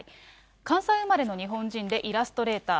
関西生まれの日本人でイラストレーター。